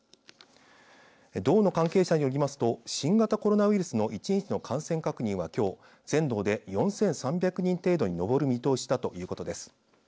道の関係者によりますと新型コロナウイルスの１日の感染確認はきょう全道で４３００人程度に上る見通しだということです。